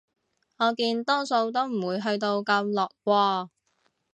我見多數都唔會去到咁落喎